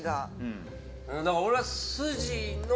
だから俺は。